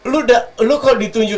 lo kalau ditunjuk